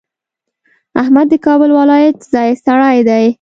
احمد د کابل ولایت ځای سړی دی.